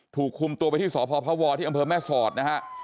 ถูกคุมตัวไปที่สพพวที่อำเภอแม่สอดนะฮะ